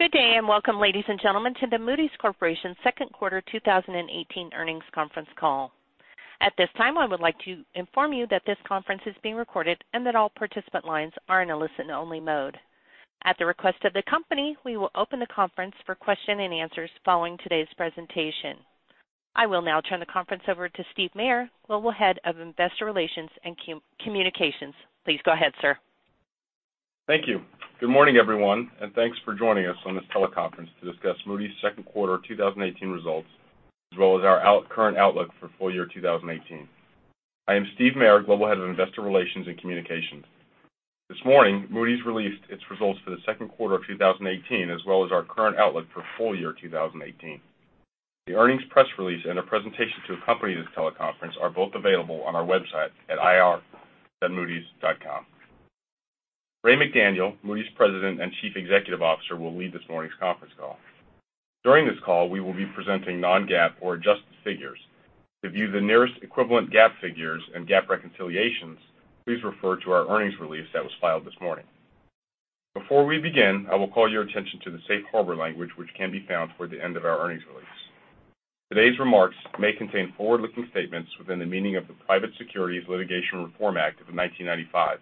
Good day, welcome, ladies and gentlemen, to the Moody's Corporation second quarter 2018 earnings conference call. At this time, I would like to inform you that this conference is being recorded, and that all participant lines are in a listen-only mode. At the request of the company, we will open the conference for question and answers following today's presentation. I will now turn the conference over to Stephen Maire, Global Head of Investor Relations and Communications. Please go ahead, sir. Thank you. Good morning, everyone, and thanks for joining us on this teleconference to discuss Moody's second quarter 2018 results, as well as our current outlook for full year 2018. I am Steve Maire, Global Head of Investor Relations and Communications. This morning, Moody's released its results for the second quarter of 2018, as well as our current outlook for full year 2018. The earnings press release and a presentation to accompany this teleconference are both available on our website at ir.moodys.com. Ray McDaniel, Moody's President and Chief Executive Officer, will lead this morning's conference call. During this call, we will be presenting non-GAAP or adjusted figures. To view the nearest equivalent GAAP figures and GAAP reconciliations, please refer to our earnings release that was filed this morning. Before we begin, I will call your attention to the safe harbor language, which can be found toward the end of our earnings release. Today's remarks may contain forward-looking statements within the meaning of the Private Securities Litigation Reform Act of 1995.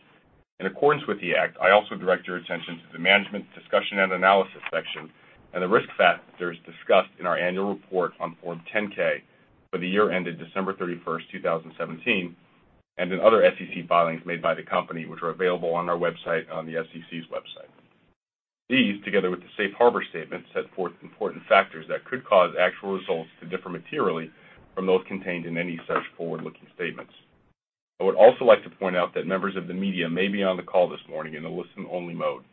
In accordance with the act, I also direct your attention to the Management Discussion and Analysis section and the risk factors discussed in our annual report on Form 10-K for the year ended December 31st, 2017, and in other SEC filings made by the company, which are available on our website on the SEC's website. These, together with the safe harbor statement, set forth important factors that could cause actual results to differ materially from those contained in any such forward-looking statements. I would also like to point out that members of the media may be on the call this morning in a listen-only mode.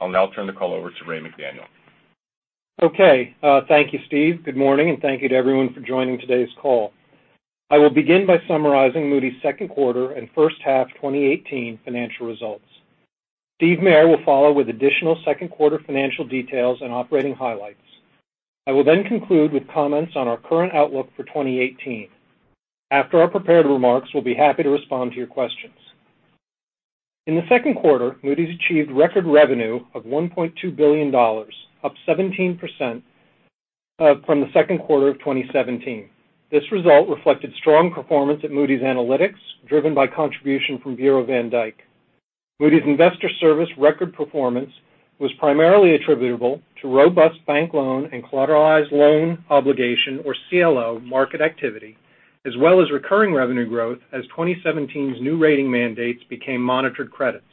I'll now turn the call over to Ray McDaniel. Thank you, Stephen. Good morning. Thank you to everyone for joining today's call. I will begin by summarizing Moody's second quarter and first half 2018 financial results. Stephen Maire will follow with additional second quarter financial details and operating highlights. I will conclude with comments on our current outlook for 2018. After our prepared remarks, we'll be happy to respond to your questions. In the second quarter, Moody's achieved record revenue of $1.2 billion, up 17% from the second quarter of 2017. This result reflected strong performance at Moody's Analytics, driven by contribution from Bureau van Dijk. Moody's Investors Service record performance was primarily attributable to robust bank loan and collateralized loan obligation, or CLO, market activity, as well as recurring revenue growth as 2017's new rating mandates became monitored credits.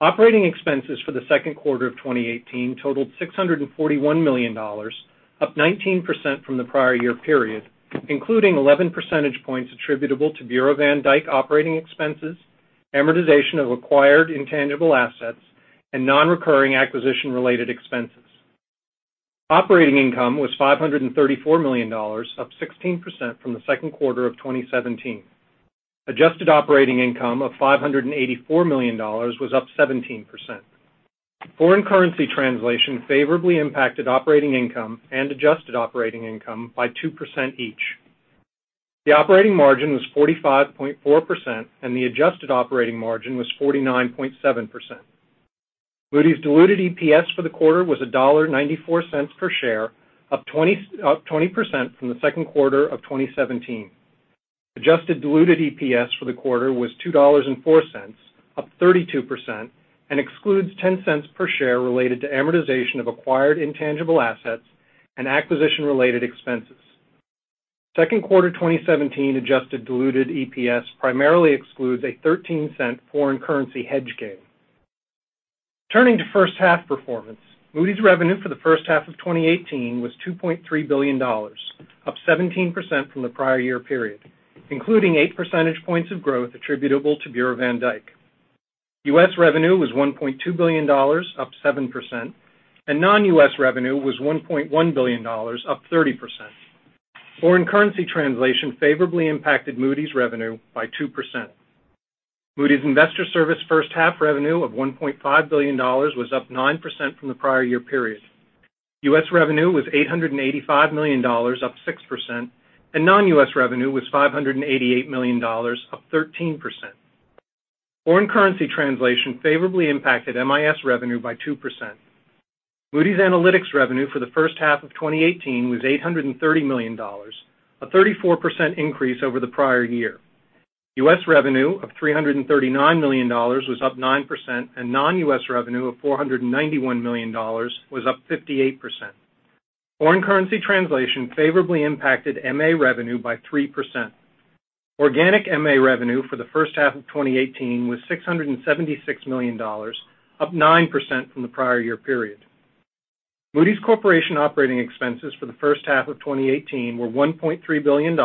Operating expenses for the second quarter of 2018 totaled $641 million, up 19% from the prior year period, including 11 percentage points attributable to Bureau van Dijk operating expenses, amortization of acquired intangible assets, and non-recurring acquisition-related expenses. Operating income was $534 million, up 16% from the second quarter of 2017. Adjusted operating income of $584 million was up 17%. Foreign currency translation favorably impacted operating income and adjusted operating income by 2% each. The operating margin was 45.4%. The adjusted operating margin was 49.7%. Moody's diluted EPS for the quarter was $1.94 per share, up 20% from the second quarter of 2017. Adjusted diluted EPS for the quarter was $2.04, up 32%. It excludes $0.10 per share related to amortization of acquired intangible assets and acquisition-related expenses. Second quarter 2017 adjusted diluted EPS primarily excludes a $0.13 foreign currency hedge gain. Turning to first half performance, Moody's revenue for the first half of 2018 was $2.3 billion, up 17% from the prior year period, including eight percentage points of growth attributable to Bureau van Dijk. U.S. revenue was $1.2 billion, up 7%. Non-U.S. revenue was $1.1 billion, up 30%. Foreign currency translation favorably impacted Moody's revenue by 2%. Moody's Investors Service first half revenue of $1.5 billion was up 9% from the prior year period. U.S. revenue was $885 million, up 6%. Non-U.S. revenue was $588 million, up 13%. Foreign currency translation favorably impacted MIS revenue by 2%. Moody's Analytics revenue for the first half of 2018 was $830 million, a 34% increase over the prior year. U.S. revenue of $339 million was up 9%. Non-U.S. revenue of $491 million was up 58%. Foreign currency translation favorably impacted MA revenue by 3%. Organic MA revenue for the first half of 2018 was $676 million, up 9% from the prior year period. Moody's Corporation operating expenses for the first half of 2018 were $1.3 billion,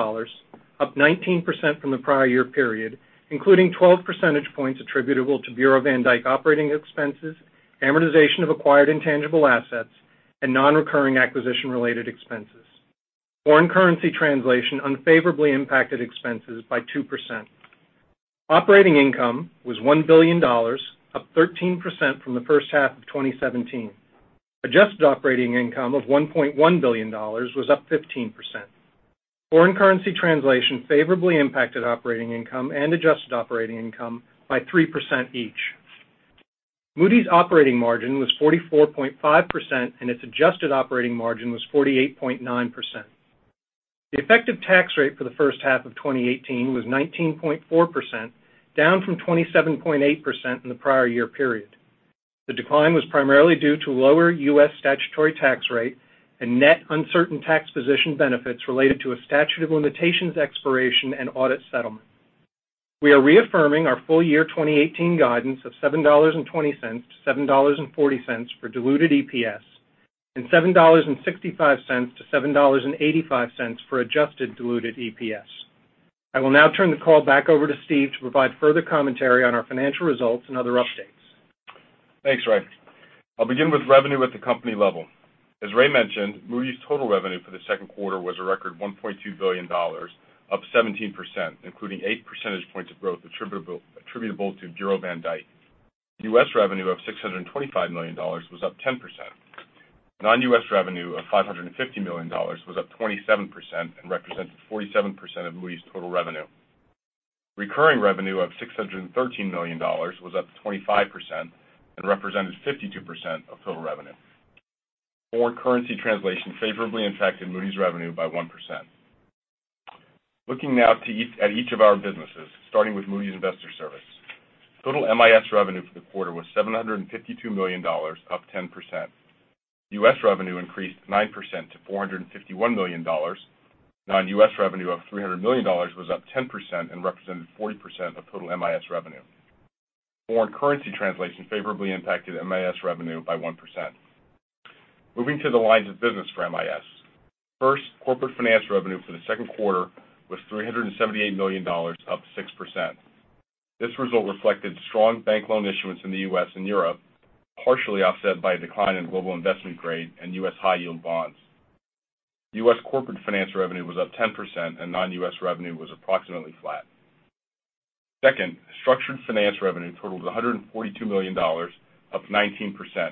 up 19% from the prior year period, including 12 percentage points attributable to Bureau van Dijk operating expenses, amortization of acquired intangible assets, and non-recurring acquisition-related expenses. Foreign currency translation unfavorably impacted expenses by 2%. Operating income was $1 billion, up 13% from the first half of 2017. Adjusted operating income of $1.1 billion was up 15%. Foreign currency translation favorably impacted operating income and adjusted operating income by 3% each. Moody's operating margin was 44.5%. Its adjusted operating margin was 48.9%. The effective tax rate for the first half of 2018 was 19.4%, down from 27.8% in the prior year period. The decline was primarily due to lower U.S. statutory tax rate and net uncertain tax position benefits related to a statute of limitations expiration and audit settlement. We are reaffirming our full year 2018 guidance of $7.20 to $7.40 for diluted EPS and $7.65 to $7.85 for adjusted diluted EPS. I will now turn the call back over to Steve to provide further commentary on our financial results and other updates. Thanks, Ray. I'll begin with revenue at the company level. As Ray mentioned, Moody's total revenue for the second quarter was a record $1.2 billion, up 17%, including eight percentage points of growth attributable to Bureau van Dijk. U.S. revenue of $625 million was up 10%. Non-U.S. revenue of $550 million was up 27% and represented 47% of Moody's total revenue. Recurring revenue of $613 million was up 25% and represented 52% of total revenue. Foreign currency translation favorably impacted Moody's revenue by 1%. Looking now at each of our businesses, starting with Moody's Investors Service. Total MIS revenue for the quarter was $752 million, up 10%. U.S. revenue increased 9% to $451 million. Non-U.S. revenue of $300 million was up 10% and represented 40% of total MIS revenue. Foreign currency translation favorably impacted MIS revenue by 1%. Moving to the lines of business for MIS. First, corporate finance revenue for the second quarter was $378 million, up 6%. This result reflected strong bank loan issuance in the U.S. and Europe, partially offset by a decline in global investment grade and U.S. high yield bonds. U.S. corporate finance revenue was up 10% and non-U.S. revenue was approximately flat. Second, structured finance revenue totaled $142 million, up 19%,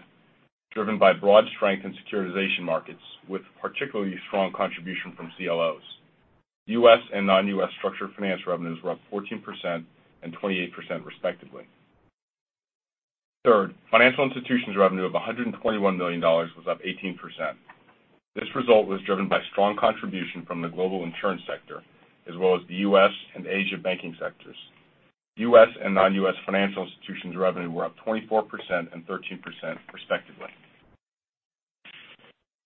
driven by broad strength in securitization markets with particularly strong contribution from CLOs. U.S. and non-U.S. structured finance revenues were up 14% and 28%, respectively. Third, financial institutions revenue of $121 million was up 18%. This result was driven by strong contribution from the global insurance sector, as well as the U.S. and Asia banking sectors. U.S. and non-U.S. financial institutions revenue were up 24% and 13%, respectively.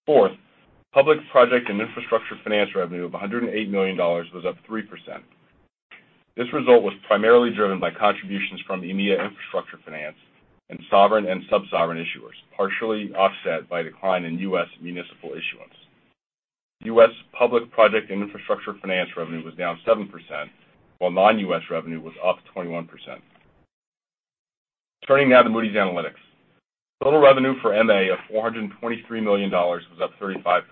Fourth, public project and infrastructure finance revenue of $108 million was up 3%. This result was primarily driven by contributions from EMEA infrastructure finance and sovereign and sub-sovereign issuers, partially offset by decline in U.S. municipal issuance. U.S. public project and infrastructure finance revenue was down 7%, while non-U.S. revenue was up 21%. Turning now to Moody's Analytics. Total revenue for MA of $423 million was up 35%.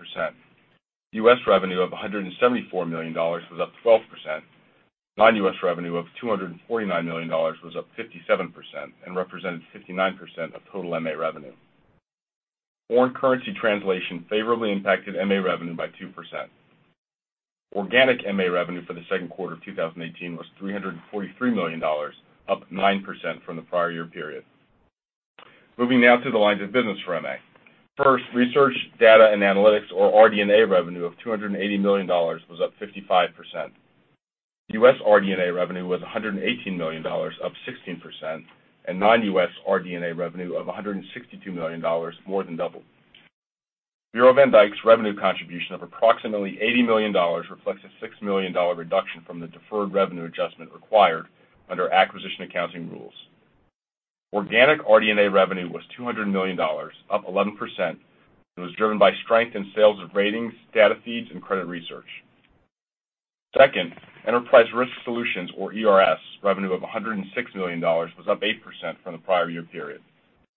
U.S. revenue of $174 million was up 12%. Non-U.S. revenue of $249 million was up 57% and represented 59% of total MA revenue. Foreign currency translation favorably impacted MA revenue by 2%. Organic MA revenue for the second quarter of 2018 was $343 million, up 9% from the prior year period. Moving now to the lines of business for MA. First, Research, Data and Analytics, or RD&A revenue of $280 million was up 55%. U.S. RD&A revenue was $118 million, up 16%, and non-U.S. RD&A revenue of $162 million more than doubled. Bureau van Dijk's revenue contribution of approximately $80 million reflects a $6 million reduction from the deferred revenue adjustment required under acquisition accounting rules. Organic RD&A revenue was $200 million, up 11%, and was driven by strength in sales of ratings, data feeds, and credit research. Enterprise Risk Solutions, or ERS, revenue of $106 million was up 8% from the prior year period.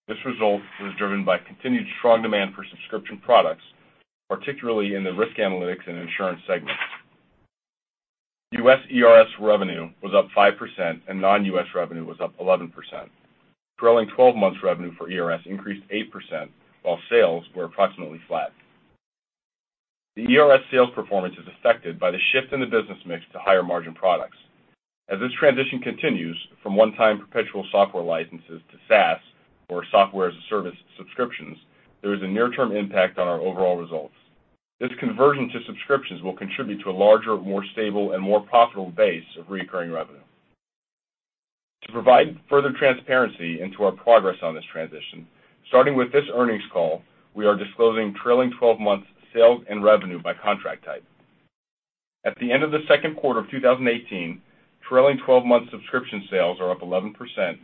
This result was driven by continued strong demand for subscription products, particularly in the risk analytics and insurance segments. U.S. ERS revenue was up 5%, and non-U.S. revenue was up 11%. Trailing 12 months revenue for ERS increased 8%, while sales were approximately flat. The ERS sales performance is affected by the shift in the business mix to higher margin products. This transition continues from one-time perpetual software licenses to SaaS or software as a service subscriptions, there is a near-term impact on our overall results. This conversion to subscriptions will contribute to a larger, more stable, and more profitable base of recurring revenue. To provide further transparency into our progress on this transition, starting with this earnings call, we are disclosing trailing 12 months sales and revenue by contract type. At the end of the second quarter of 2018, trailing 12 months subscription sales are up 11%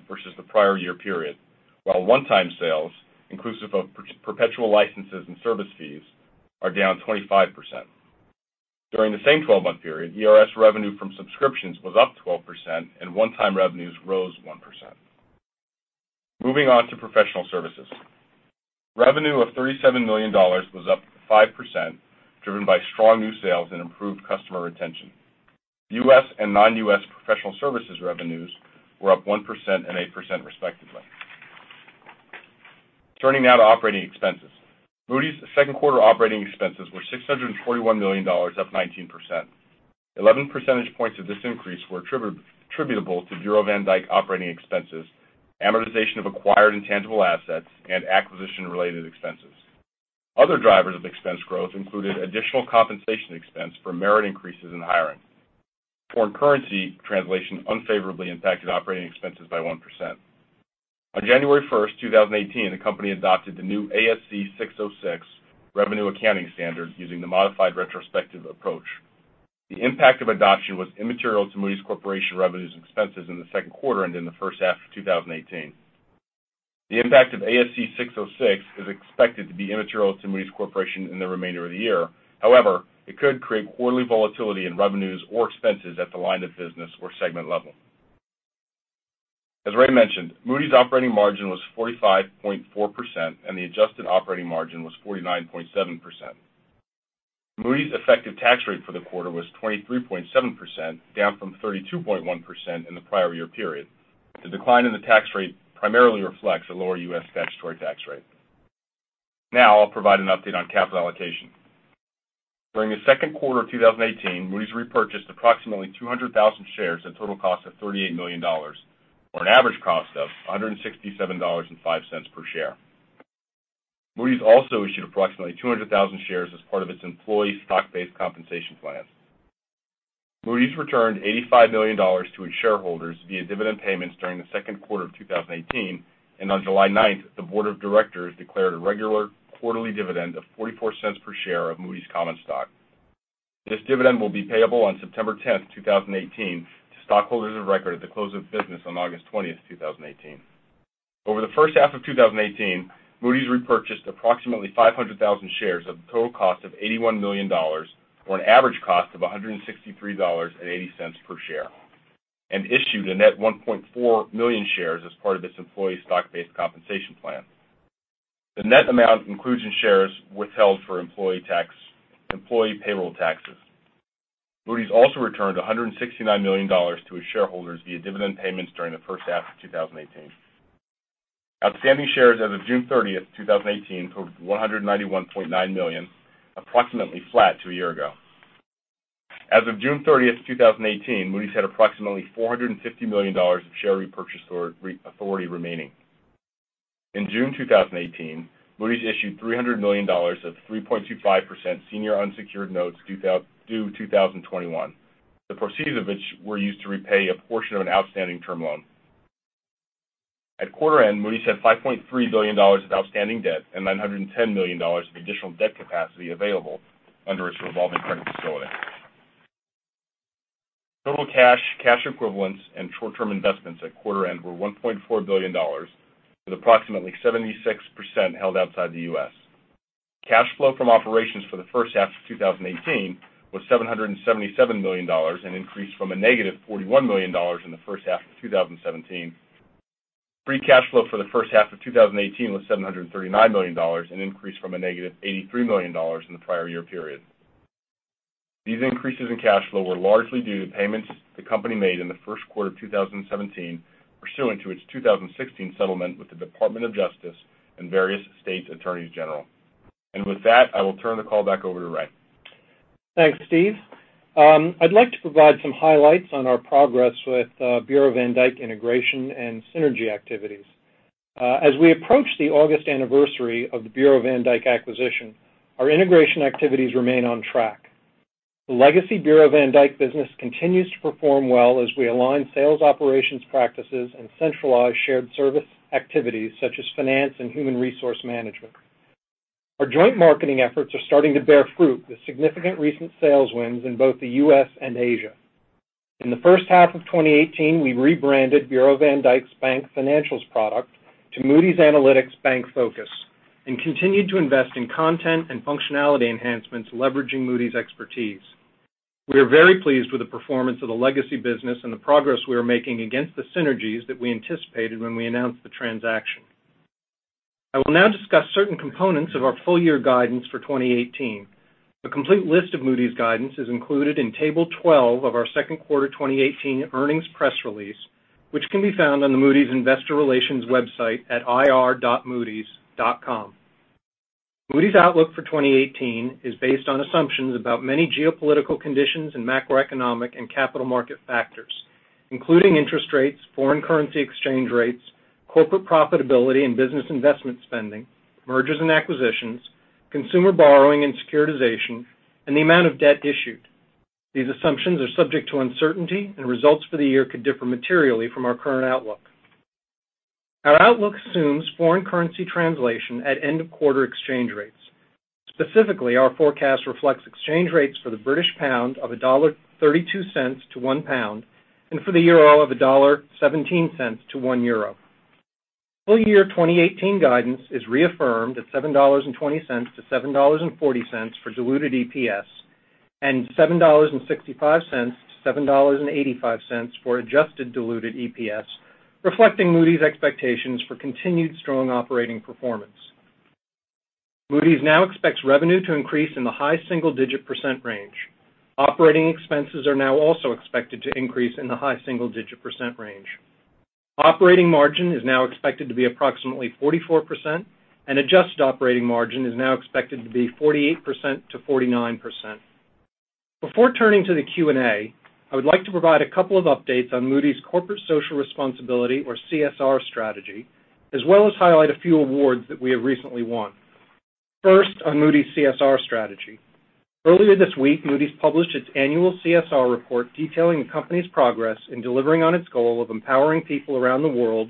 versus the prior year period, while one-time sales, inclusive of perpetual licenses and service fees, are down 25%. During the same 12-month period, ERS revenue from subscriptions was up 12% and one-time revenues rose 1%. Moving on to professional services. Revenue of $37 million was up 5%, driven by strong new sales and improved customer retention. U.S. and non-U.S. professional services revenues were up 1% and 8%, respectively. Turning now to operating expenses. Moody's second quarter operating expenses were $641 million, up 19%. 11 percentage points of this increase were attributable to Bureau van Dijk operating expenses, amortization of acquired intangible assets, and acquisition-related expenses. Other drivers of expense growth included additional compensation expense for merit increases in hiring. Foreign currency translation unfavorably impacted operating expenses by 1%. On January 1st, 2018, the company adopted the new ASC 606 revenue accounting standard using the modified retrospective approach. The impact of adoption was immaterial to Moody's Corporation revenues and expenses in the second quarter and in the first half of 2018. The impact of ASC 606 is expected to be immaterial to Moody's Corporation in the remainder of the year. However, it could create quarterly volatility in revenues or expenses at the line of business or segment level. As Ray mentioned, Moody's operating margin was 45.4%, and the adjusted operating margin was 49.7%. Moody's effective tax rate for the quarter was 23.7%, down from 32.1% in the prior year period. The decline in the tax rate primarily reflects a lower U.S. statutory tax rate. Now I'll provide an update on capital allocation. During the second quarter of 2018, Moody's repurchased approximately 200,000 shares at a total cost of $38 million, or an average cost of $167.05 per share. Moody's also issued approximately 200,000 shares as part of its employee stock-based compensation plan. Moody's returned $85 million to its shareholders via dividend payments during the second quarter of 2018, and on July 9th, the board of directors declared a regular quarterly dividend of $0.44 per share of Moody's common stock. This dividend will be payable on September 10th, 2018, to stockholders of record at the close of business on August 20th, 2018. Over the first half of 2018, Moody's repurchased approximately 500,000 shares at a total cost of $81 million, or an average cost of $163.80 per share, and issued a net 1.4 million shares as part of its employee stock-based compensation plan. The net amount includes shares withheld for employee payroll taxes. Moody's also returned $169 million to its shareholders via dividend payments during the first half of 2018. Outstanding shares as of June 30th, 2018, totaled 191.9 million, approximately flat to a year ago. As of June 30th, 2018, Moody's had approximately $450 million of share repurchase authority remaining. In June 2018, Moody's issued $300 million of 3.25% senior unsecured notes due 2021, the proceeds of which were used to repay a portion of an outstanding term loan. At quarter end, Moody's had $5.3 billion of outstanding debt and $910 million of additional debt capacity available under its revolving credit facility. Total cash equivalents, and short-term investments at quarter end were $1.4 billion, with approximately 76% held outside the U.S. Cash flow from operations for the first half of 2018 was $777 million, an increase from a negative $41 million in the first half of 2017. Free cash flow for the first half of 2018 was $739 million, an increase from a negative $83 million in the prior year period. These increases in cash flow were largely due to payments the company made in the first quarter of 2017 pursuant to its 2016 settlement with the Department of Justice and various state attorneys general. With that, I will turn the call back over to Ray. Thanks, Steve. I'd like to provide some highlights on our progress with Bureau van Dijk integration and synergy activities. As we approach the August anniversary of the Bureau van Dijk acquisition, our integration activities remain on track. The legacy Bureau van Dijk business continues to perform well as we align sales operations practices and centralize shared service activities such as finance and human resource management. Our joint marketing efforts are starting to bear fruit with significant recent sales wins in both the U.S. and Asia. In the first half of 2018, we rebranded Bureau van Dijk's Bank Financials product to Moody's Analytics BankFocus and continued to invest in content and functionality enhancements leveraging Moody's expertise. We are very pleased with the performance of the legacy business and the progress we are making against the synergies that we anticipated when we announced the transaction. I will now discuss certain components of our full-year guidance for 2018. A complete list of Moody's guidance is included in Table 12 of our second quarter 2018 earnings press release, which can be found on the Moody's investor relations website at ir.moodys.com. Moody's outlook for 2018 is based on assumptions about many geopolitical conditions and macroeconomic and capital market factors, including interest rates, foreign currency exchange rates, corporate profitability and business investment spending, mergers and acquisitions, consumer borrowing and securitization, and the amount of debt issued. These assumptions are subject to uncertainty and results for the year could differ materially from our current outlook. Our outlook assumes foreign currency translation at end-of-quarter exchange rates. Specifically, our forecast reflects exchange rates for the British pound of $1.32 to £1 and for the euro of $1.17 to €1. Full-year 2018 guidance is reaffirmed at $7.20-$7.40 for diluted EPS and $7.65-$7.85 for adjusted diluted EPS, reflecting Moody's expectations for continued strong operating performance. Moody's now expects revenue to increase in the high single-digit % range. Operating expenses are now also expected to increase in the high single-digit % range. Operating margin is now expected to be approximately 44%, and adjusted operating margin is now expected to be 48%-49%. Before turning to the Q&A, I would like to provide a couple of updates on Moody's corporate social responsibility, or CSR strategy, as well as highlight a few awards that we have recently won. First on Moody's CSR strategy. Earlier this week, Moody's published its annual CSR report detailing the company's progress in delivering on its goal of empowering people around the world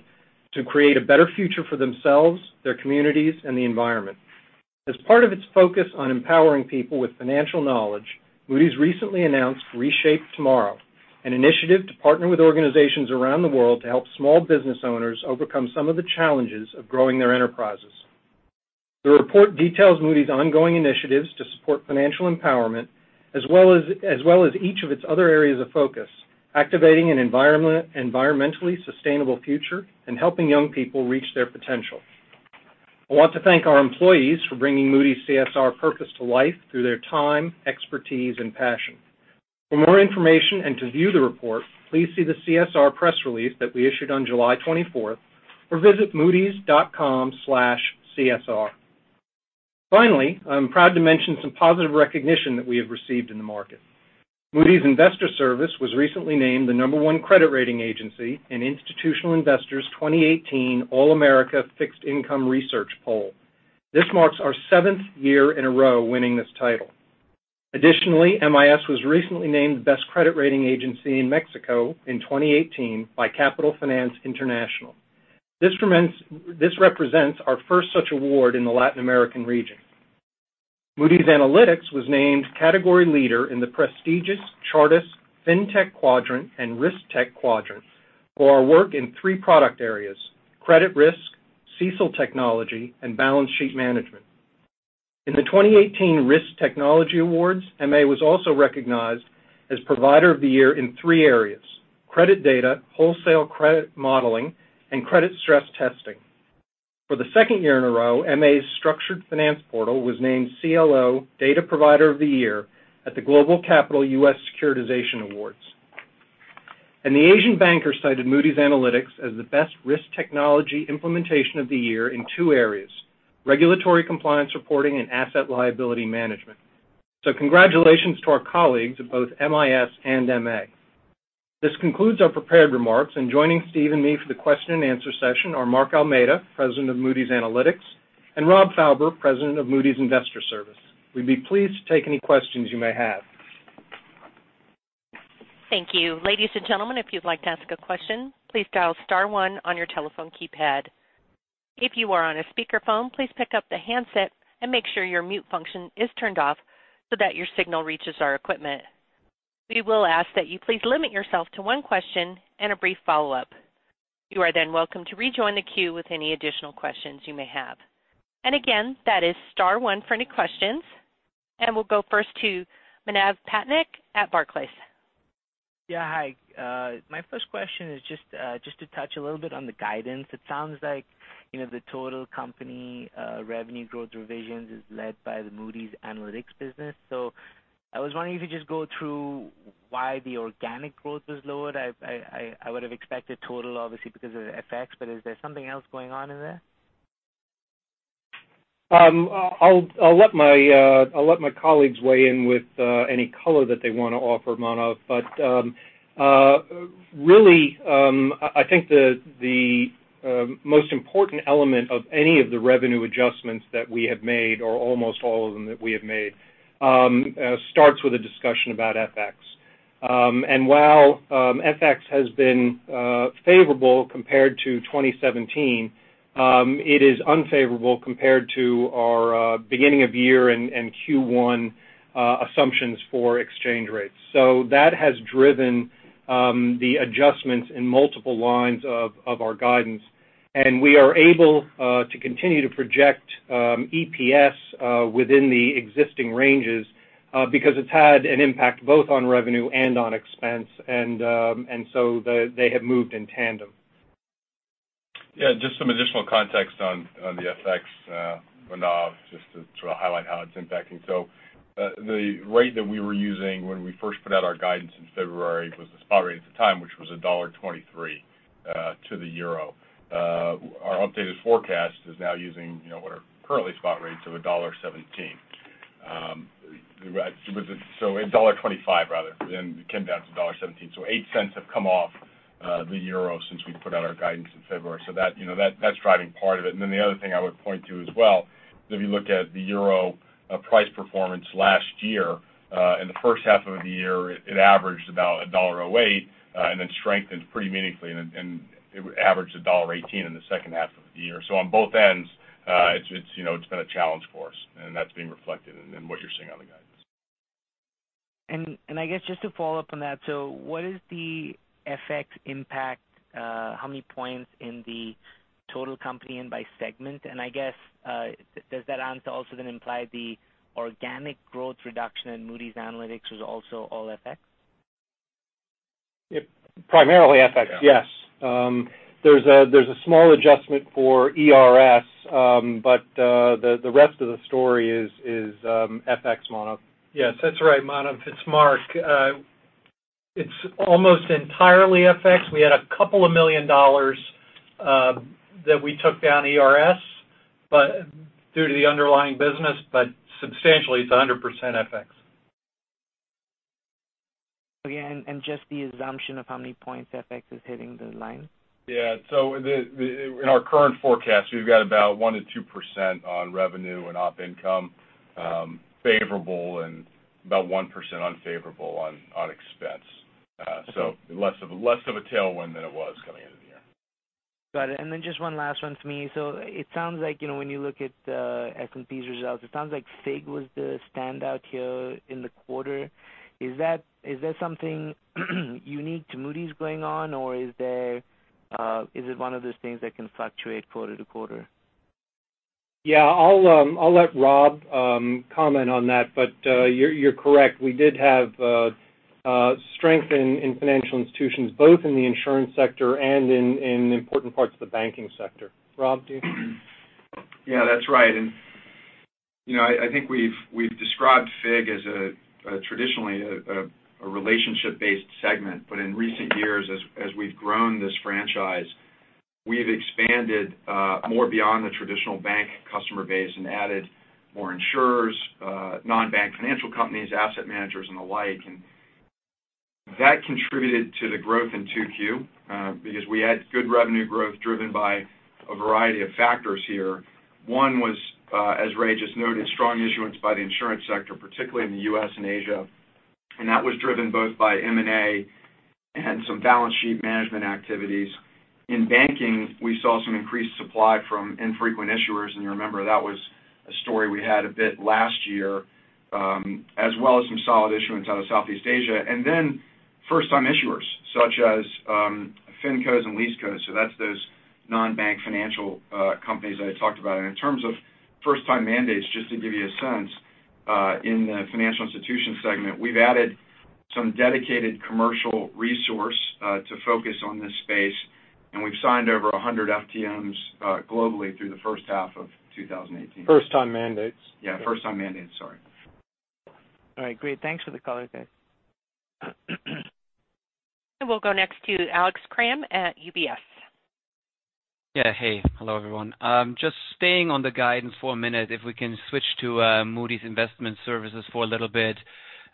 to create a better future for themselves, their communities, and the environment. As part of its focus on empowering people with financial knowledge, Moody's recently announced Reshape Tomorrow, an initiative to partner with organizations around the world to help small business owners overcome some of the challenges of growing their enterprises. The report details Moody's ongoing initiatives to support financial empowerment as well as each of its other areas of focus, activating an environmentally sustainable future and helping young people reach their potential. I want to thank our employees for bringing Moody's CSR purpose to life through their time, expertise, and passion. For more information and to view the report, please see the CSR press release that we issued on July 24th or visit moodys.com/csr. I'm proud to mention some positive recognition that we have received in the market. Moody's Investors Service was recently named the number 1 credit rating agency in Institutional Investor's 2018 All-America Fixed Income Research poll. This marks our seventh year in a row winning this title. MIS was recently named the best credit rating agency in Mexico in 2018 by Capital Finance International. This represents our first such award in the Latin American region. Moody's Analytics was named category leader in the prestigious Chartis FinTech Quadrant and RiskTech Quadrant for our work in three product areas: credit risk, CECL technology, and balance sheet management. In the 2018 Risk Technology Awards, MA was also recognized as provider of the year in three areas: credit data, wholesale credit modeling, and credit stress testing. For the second year in a row, MA's structured finance portal was named CLO Data Provider of the Year at the GlobalCapital U.S. Securitization Awards. The Asian Banker cited Moody's Analytics as the best risk technology implementation of the year in two areas, regulatory compliance reporting and asset liability management. Congratulations to our colleagues at both MIS and MA. This concludes our prepared remarks, and joining Steve and me for the question and answer session are Mark Almeida, President of Moody's Analytics, and Rob Fauber, President of Moody's Investors Service. We'd be pleased to take any questions you may have. Thank you. Ladies and gentlemen, if you'd like to ask a question, please dial star one on your telephone keypad. If you are on a speakerphone, please pick up the handset and make sure your mute function is turned off so that your signal reaches our equipment. We will ask that you please limit yourself to one question and a brief follow-up. You are welcome to rejoin the queue with any additional questions you may have. Again, that is star one for any questions. We'll go first to Manav Patnaik at Barclays. Yeah, hi. My first question is just to touch a little bit on the guidance. It sounds like the total company revenue growth revisions is led by the Moody's Analytics business. I was wondering if you could just go through why the organic growth was lowered. I would have expected total obviously because of the FX. Is there something else going on in there? I'll let my colleagues weigh in with any color that they want to offer, Manav. Really, I think the most important element of any of the revenue adjustments that we have made, or almost all of them that we have made, starts with a discussion about FX. While FX has been favorable compared to 2017, it is unfavorable compared to our beginning of year and Q1 assumptions for exchange rates. That has driven the adjustments in multiple lines of our guidance. We are able to continue to project EPS within the existing ranges because it's had an impact both on revenue and on expense, so they have moved in tandem. Yeah, just some additional context on the FX, Manav, just to highlight how it's impacting. The rate that we were using when we first put out our guidance in February was the spot rate at the time, which was $1.23 to the euro. Our updated forecast is now using what are currently spot rates of $1.17. $1.25 rather, it came down to $1.17. $0.08 have come off the euro since we put out our guidance in February. The other thing I would point to as well, if you look at the euro price performance last year, in the first half of the year, it averaged about $1.08. It strengthened pretty meaningfully, and it averaged $1.18 in the second half of the year. On both ends, it's been a challenge for us, and that's being reflected in what you're seeing on the guidance. I guess just to follow up on that, what is the FX impact, how many points in the total company and by segment? I guess, does that answer also then imply the organic growth reduction in Moody's Analytics was also all FX? Yep. Primarily FX, yes. There's a small adjustment for ERS, the rest of the story is FX, Manav. Yes, that's right, Manav. It's Mark. It's almost entirely FX. We had a couple of million dollars that we took down ERS, due to the underlying business, substantially, it's 100% FX. Okay. Just the assumption of how many points FX is hitting the line? In our current forecast, we've got about 1%-2% on revenue and op income favorable and about 1% unfavorable on expense. Less of a tailwind than it was coming into the year. Got it. Just one last one for me. It sounds like when you look at S&P's results, it sounds like FIG was the standout here in the quarter. Is that something unique to Moody's going on? Or is it one of those things that can fluctuate quarter-to-quarter? I'll let Rob comment on that. You're correct. We did have strength in financial institutions, both in the insurance sector and in important parts of the banking sector. Rob, do you? That's right. I think we've described FIG as traditionally a relationship-based segment. In recent years, as we've grown this franchise, we've expanded more beyond the traditional bank customer base and added more insurers, non-bank financial companies, asset managers, and the like. That contributed to the growth in 2Q because we had good revenue growth driven by a variety of factors here. One was, as Ray just noted, strong issuance by the insurance sector, particularly in the U.S. and Asia. That was driven both by M&A and some balance sheet management activities. In banking, we saw some increased supply from infrequent issuers, and you remember that was a story we had a bit last year, as well as some solid issuance out of Southeast Asia. Then first-time issuers such as fincos and leasecos. That's those non-bank financial companies that I talked about. In terms of first-time mandates, just to give you a sense, in the financial institution segment, we've added some dedicated commercial resource to focus on this space, and we've signed over 100 FTMs globally through the first half of 2018. First-time mandates. Yeah, first-time mandates. Sorry. All right, great. Thanks for the color, guys. We'll go next to Alex Kramm at UBS. Yeah, hey. Hello, everyone. Just staying on the guidance for a minute, if we can switch to Moody's Investors Service for a little bit.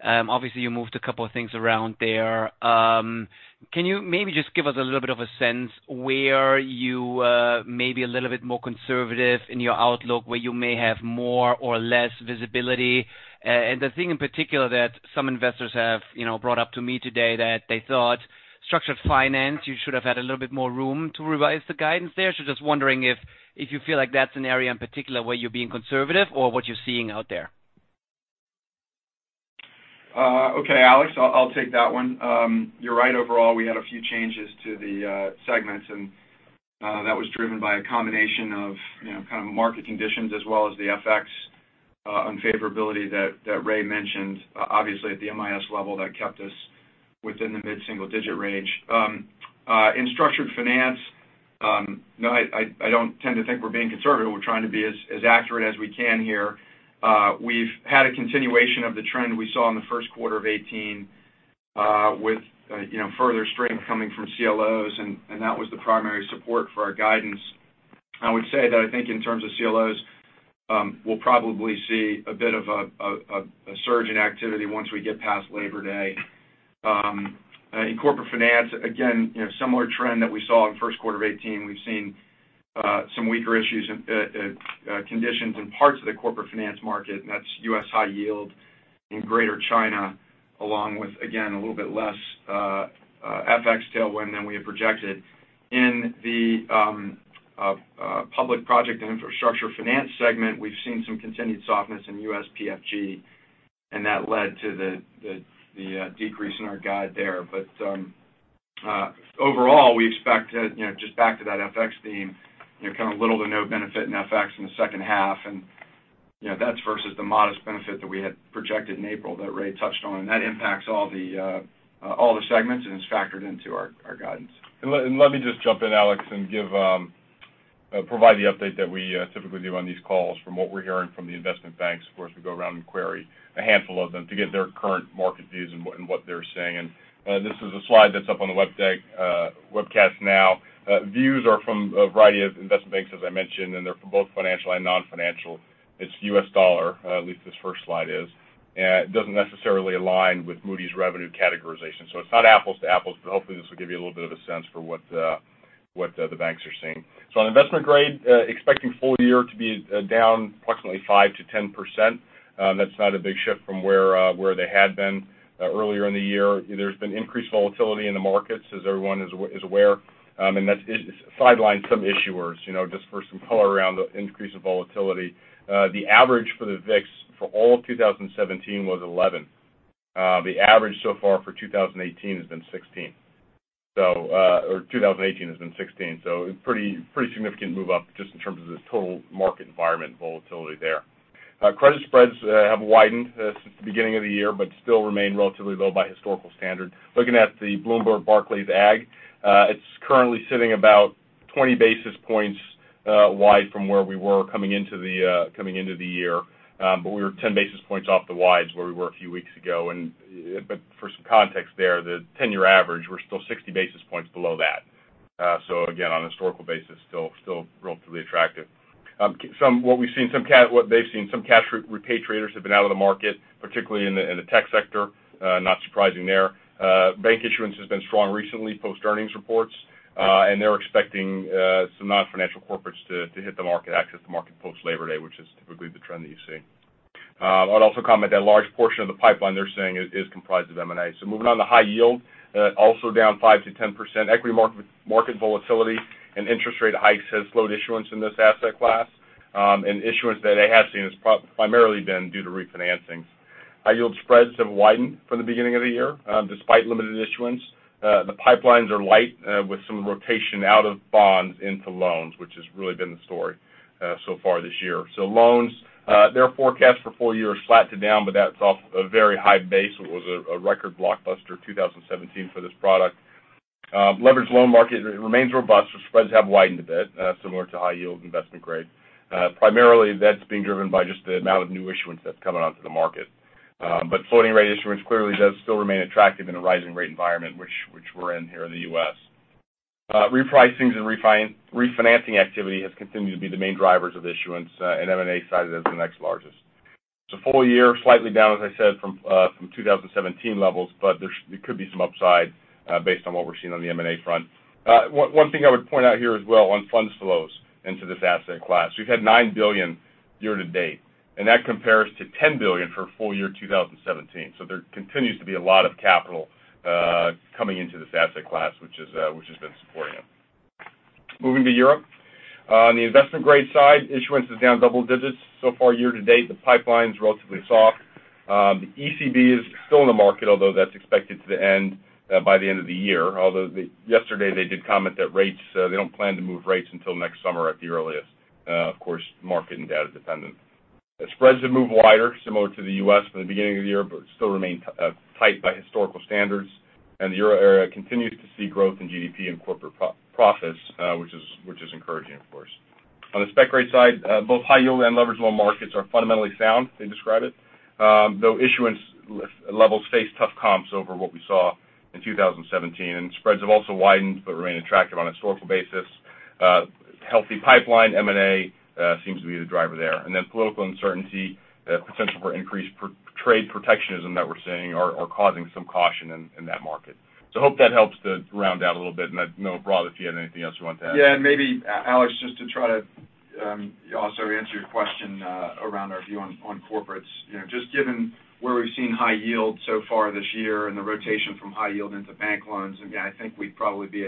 Obviously, you moved a couple of things around there. Can you maybe just give us a little bit of a sense where you may be a little bit more conservative in your outlook, where you may have more or less visibility? The thing in particular that some investors have brought up to me today that they thought structured finance, you should have had a little bit more room to revise the guidance there. Just wondering if you feel like that's an area in particular where you're being conservative or what you're seeing out there. Okay, Alex, I'll take that one. You're right. Overall, we had a few changes to the segments, and that was driven by a combination of kind of market conditions as well as the FX unfavorability that Ray mentioned. Obviously, at the MIS level, that kept us within the mid-single-digit range. In structured finance, no, I don't tend to think we're being conservative. We're trying to be as accurate as we can here. We've had a continuation of the trend we saw in the first quarter of 2018 with further strength coming from CLOs, and that was the primary support for our guidance. I would say that I think in terms of CLOs, we'll probably see a bit of a surge in activity once we get past Labor Day. In corporate finance, again, similar trend that we saw in the first quarter of 2018. We've seen some weaker issues and conditions in parts of the corporate finance market, and that's U.S. high yield in Greater China, along with, again, a little bit less FX tailwind than we had projected. In the public project and infrastructure finance segment, we've seen some continued softness in U.S. PFG, and that led to the decrease in our guide there. Overall, we expect just back to that FX theme, kind of little to no benefit in FX in the second half. That's versus the modest benefit that we had projected in April that Ray touched on. That impacts all the segments, and it's factored into our guidance. Let me just jump in, Alex Kramm, and provide the update that we typically do on these calls from what we're hearing from the investment banks. Of course, we go around and query a handful of them to get their current market views and what they're seeing. This is a slide that's up on the webcast now. Views are from a variety of investment banks, as I mentioned, and they're for both financial and non-financial. It's U.S. dollar, at least this first slide is. It doesn't necessarily align with Moody's revenue categorization. It's not apples to apples, but hopefully, this will give you a little bit of a sense for what the banks are seeing. On investment grade, expecting full year to be down approximately 5%-10%. That's not a big shift from where they had been earlier in the year. There's been increased volatility in the markets, as everyone is aware. That sidelines some issuers. Just for some color around the increase of volatility. The average for the VIX for all of 2017 was 11. The average so far for 2018 has been 16, so a pretty significant move up just in terms of the total market environment volatility there. Credit spreads have widened since the beginning of the year, but still remain relatively low by historical standard. Looking at the Bloomberg Barclays Agg, it's currently sitting about 20 basis points wide from where we were coming into the year. We were 10 basis points off the wides where we were a few weeks ago. For some context there, the 10-year average, we're still 60 basis points below that. Again, on a historical basis, still relatively attractive. What they've seen, some cash repatriators have been out of the market, particularly in the tech sector. Not surprising there. Bank issuance has been strong recently, post-earnings reports. They're expecting some non-financial corporates to hit the market, access to market post Labor Day, which is typically the trend that you see. I'd also comment that a large portion of the pipeline they're seeing is comprised of M&A. Moving on to high yield, also down 5%-10%. Equity market volatility and interest rate hikes has slowed issuance in this asset class. Issuance that they have seen has primarily been due to refinancing. High-yield spreads have widened from the beginning of the year, despite limited issuance. The pipelines are light with some rotation out of bonds into loans, which has really been the story so far this year. Loans, their forecast for full year is flat to down, that's off a very high base. It was a record blockbuster 2017 for this product. Leveraged loan market remains robust, spreads have widened a bit, similar to high yield investment grade. Primarily, that's being driven by just the amount of new issuance that's coming onto the market. Floating rate issuance clearly does still remain attractive in a rising rate environment, which we're in here in the U.S. Repricings and refinancing activity has continued to be the main drivers of issuance, and M&A cited as the next largest. Full year, slightly down, as I said, from 2017 levels, there could be some upside based on what we're seeing on the M&A front. One thing I would point out here as well on funds flows into this asset class. We've had $9 billion year to date, that compares to $10 billion for full year 2017. There continues to be a lot of capital coming into this asset class, which has been supporting it. Moving to Europe. On the investment-grade side, issuance is down double digits so far year to date. The pipeline's relatively soft. The ECB is still in the market, although that's expected to end by the end of the year. Although yesterday they did comment that they don't plan to move rates until next summer at the earliest. Of course, market and data dependent. Spreads have moved wider, similar to the U.S. from the beginning of the year, but still remain tight by historical standards. The Euro area continues to see growth in GDP and corporate profits, which is encouraging, of course. On the spec-grade side, both high yield and leveraged loan markets are fundamentally sound, they describe it. Though issuance levels face tough comps over what we saw in 2017. Spreads have also widened but remain attractive on a historical basis. Healthy pipeline M&A seems to be the driver there. Political uncertainty, the potential for increased trade protectionism that we're seeing are causing some caution in that market. Hope that helps to round out a little bit, and I don't know, Rob, if you had anything else you wanted to add. Yeah, maybe, Alex, just to try to also answer your question around our view on corporates. Just given where we've seen high yield so far this year and the rotation from high yield into bank loans, again, I think we'd probably be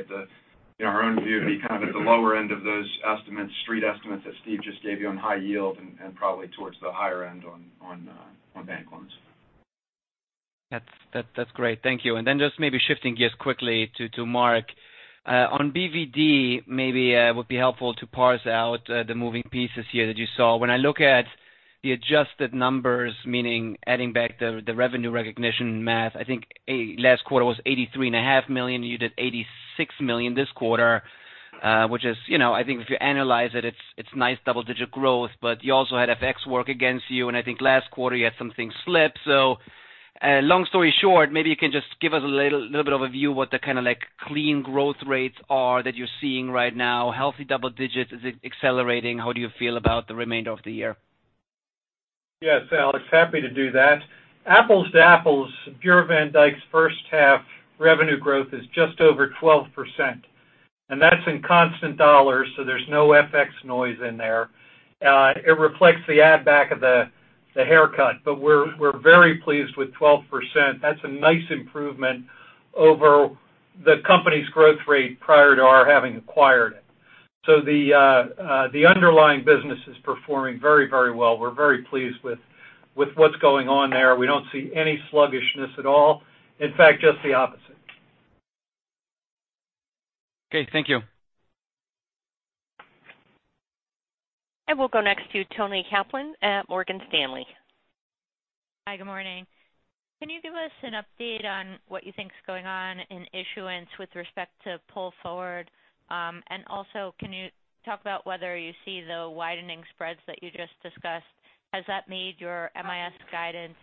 our own view would be kind of at the lower end of those estimates, street estimates that Steve just gave you on high yield and probably towards the higher end on bank loans. That's great. Thank you. Just maybe shifting gears quickly to Mark. On BVD, maybe it would be helpful to parse out the moving pieces here that you saw. When I look at the adjusted numbers, meaning adding back the revenue recognition math, I think last quarter was $83.5 million. You did $86 million this quarter. Which is, I think if you analyze it's nice double-digit growth, but you also had FX work against you, and I think last quarter you had some things slip. Long story short, maybe you can just give us a little bit of a view what the kind of clean growth rates are that you're seeing right now. Healthy double digits. Is it accelerating? How do you feel about the remainder of the year? Yes, Alex Kramm, happy to do that. Apples to apples, Bureau van Dijk's first half revenue growth is just over 12%. That's in constant dollars, so there's no FX noise in there. It reflects the adback of the haircut, but we're very pleased with 12%. That's a nice improvement over the company's growth rate prior to our having acquired it. The underlying business is performing very well. We're very pleased with what's going on there. We don't see any sluggishness at all. In fact, just the opposite. Okay, thank you. We'll go next to Toni Kaplan at Morgan Stanley. Hi, good morning. Can you give us an update on what you think is going on in issuance with respect to pull forward? Also, can you talk about whether you see the widening spreads that you just discussed? Has that made your MIS guidance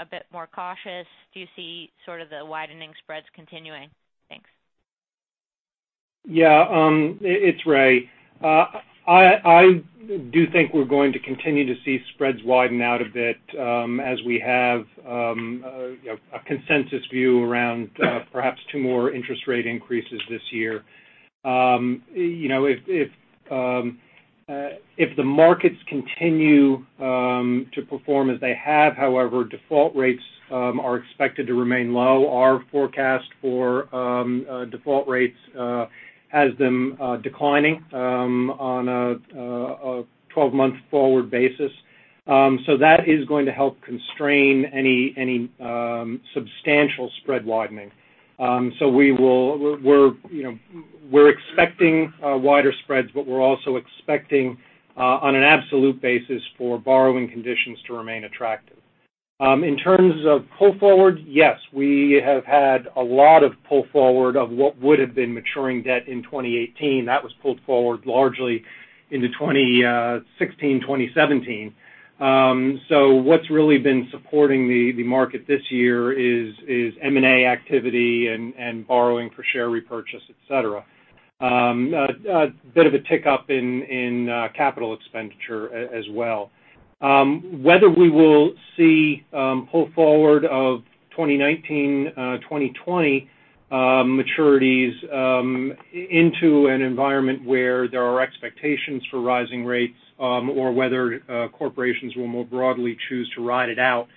a bit more cautious? Do you see sort of the widening spreads continuing? Thanks. Yeah. It's Ray. I do think we're going to continue to see spreads widen out a bit as we have a consensus view around perhaps two more interest rate increases this year. If the markets continue to perform as they have, however, default rates are expected to remain low. Our forecast for default rates has them declining on a 12-month forward basis. That is going to help constrain any substantial spread widening. We're expecting wider spreads, but we're also expecting on an absolute basis for borrowing conditions to remain attractive. In terms of pull forward, yes, we have had a lot of pull forward of what would have been maturing debt in 2018. That was pulled forward largely into 2016, 2017. What's really been supporting the market this year is M&A activity and borrowing for share repurchase, et cetera. A bit of a tick up in capital expenditure as well. Whether we will see pull forward of 2019, 2020 maturities into an environment where there are expectations for rising rates, or whether corporations will more broadly choose to ride it out,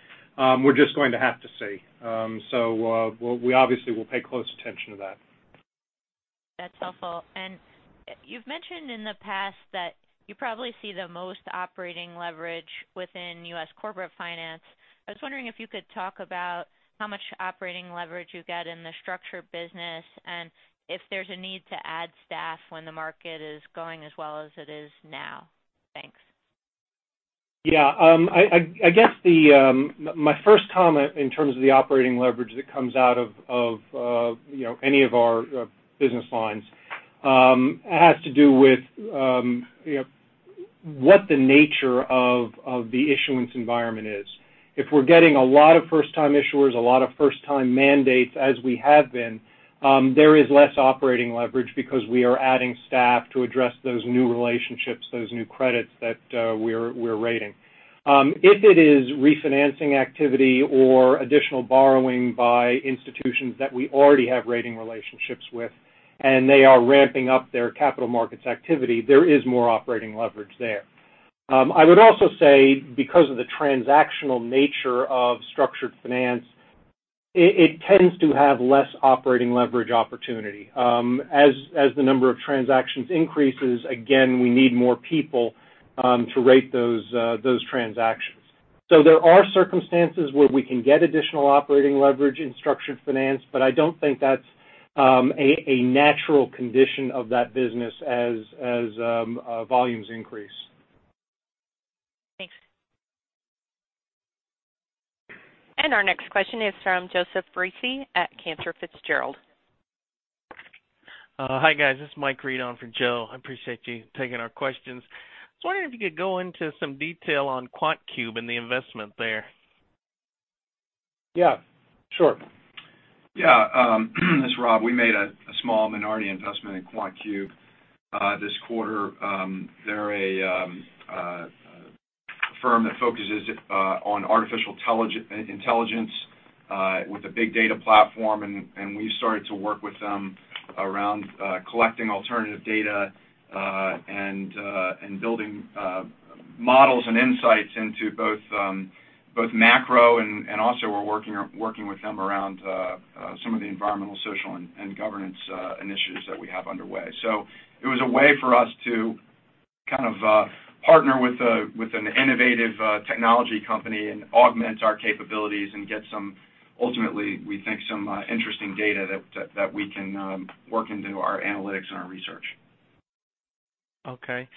we're just going to have to see. We obviously will pay close attention to that. That's helpful. You've mentioned in the past that you probably see the most operating leverage within U.S. corporate finance. I was wondering if you could talk about how much operating leverage you get in the structured business and if there's a need to add staff when the market is going as well as it is now. Thanks. Yeah. I guess my first comment in terms of the operating leverage that comes out of any of our business lines has to do with what the nature of the issuance environment is. If we're getting a lot of first-time issuers, a lot of first-time mandates as we have been, there is less operating leverage because we are adding staff to address those new relationships, those new credits that we're rating. If it is refinancing activity or additional borrowing by institutions that we already have rating relationships with and they are ramping up their capital markets activity, there is more operating leverage there. I would also say because of the transactional nature of structured finance, it tends to have less operating leverage opportunity. As the number of transactions increases, again, we need more people to rate those transactions. There are circumstances where we can get additional operating leverage in structured finance, but I don't think that's a natural condition of that business as volumes increase. Thanks. Our next question is from Joseph Foresi at Cantor Fitzgerald. Hi, guys. This is Mike Reid on for Joe. I appreciate you taking our questions. I was wondering if you could go into some detail on QuantCube and the investment there. Yeah, sure. It's Rob. We made a small minority investment in QuantCube this quarter. They're a firm that focuses on artificial intelligence with a big data platform, and we started to work with them around collecting alternative data and building models and insights into both macro and also we're working with them around some of the environmental, social, and governance initiatives that we have underway. It was a way for us to kind of partner with an innovative technology company and augment our capabilities and get some, ultimately, we think, some interesting data that we can work into our analytics and our research. Okay.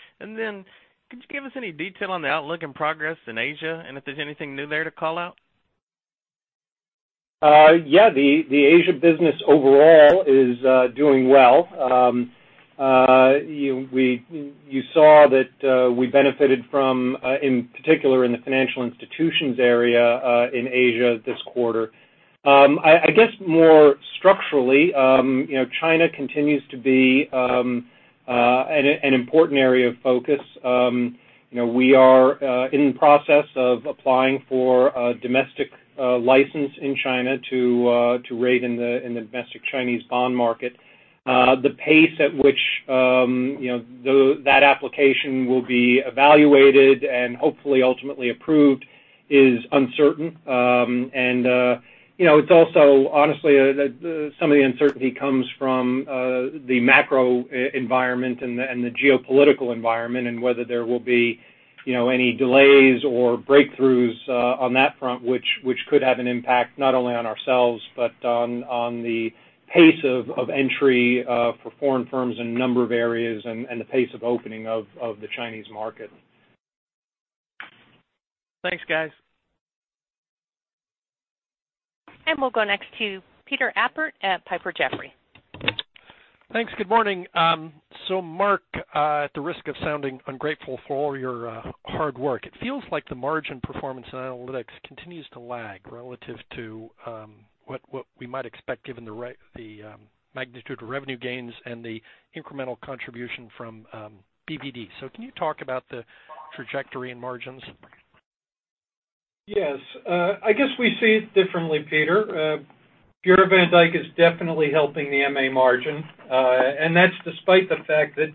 Could you give us any detail on the outlook and progress in Asia, and if there's anything new there to call out? Yeah, the Asia business overall is doing well. You saw that we benefited from, in particular in the financial institutions area in Asia this quarter. I guess more structurally, China continues to be an important area of focus. We are in the process of applying for a domestic license in China to rate in the domestic Chinese bond market. The pace at which that application will be evaluated and hopefully ultimately approved is uncertain. It's also, honestly, some of the uncertainty comes from the macro environment and the geopolitical environment and whether there will be any delays or breakthroughs on that front, which could have an impact not only on ourselves but on the pace of entry for foreign firms in a number of areas and the pace of opening of the Chinese market. Thanks, guys. We'll go next to Peter Appert at Piper Jaffray. Thanks. Good morning. Mark, at the risk of sounding ungrateful for all your hard work, it feels like the margin performance in Analytics continues to lag relative to what we might expect given the magnitude of revenue gains and the incremental contribution from BVD. Can you talk about the trajectory in margins? Yes. I guess we see it differently, Peter. Bureau van Dijk is definitely helping the MA margin. That's despite the fact that